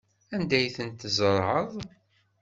Anda ay tent-tzerɛeḍ?